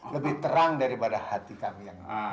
lebih terang daripada hati kami yang